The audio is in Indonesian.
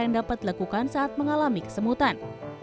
yang dapat dilakukan saat mengalami kesemutan